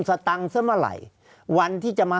ภารกิจสรรค์ภารกิจสรรค์